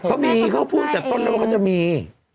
เขามีเขาพูดตั้งแต่ต้นแล้วว่าเขาจะมี